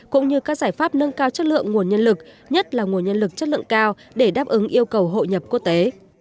cũng như các giải pháp nâng cao chất lượng nguồn nhân lực nhất là nguồn nhân lực chất lượng cao để đáp ứng yêu cầu hội nhập quốc tế